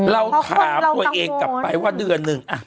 เราถามตัวเองกลับไปว่าเดือนหนึ่ง